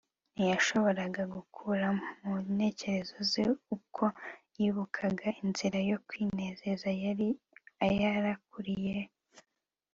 ntiyashoboraga gukura mu ntekerezo ze uko yibukaga inzira yo kwinezeza yari ayarakurikiye